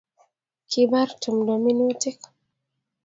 Kibar tumdo minutik